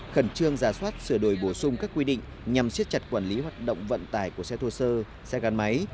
khẩn trương giả soát sửa đổi bổ sung các quy định nhằm siết chặt quản lý hoạt động vận tải của xe thô sơ xe gắn máy